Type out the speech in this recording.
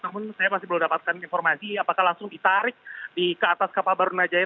namun saya masih belum dapatkan informasi apakah langsung ditarik ke atas kapal barunajaya